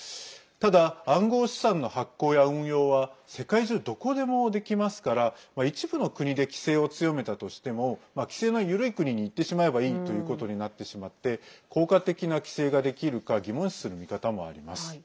ただ、暗号資産の発行や運用は世界中どこでもできますから一部の国で規制を強めたとしても規制の緩い国に行ってしまえばいいということになってしまって効果的な規制ができるか疑問視する見方もあります。